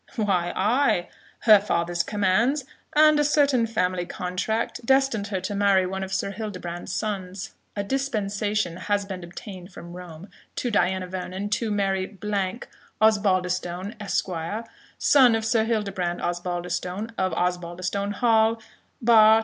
"Why, ay, her father's commands, and a certain family contract, destined her to marry one of Sir Hildebrand's sons. A dispensation has been obtained from Rome to Diana Vernon to marry Blank Osbaldistone, Esq., son of Sir Hildebrand Osbaldistone, of Osbaldistone Hall, Bart.